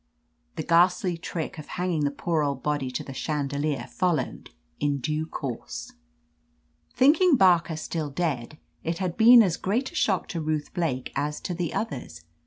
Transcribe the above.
The ghastly trick of hanging the poor old body to the chandelier followed in due course. "Thinking Barker still dead, it had been as great a shock to Ruth Blake as to the others.